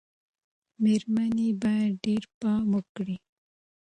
مېرمنې باید ډېر پام وکړي.